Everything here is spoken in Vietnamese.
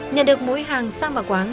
nhận được mũi hàng sang và quáng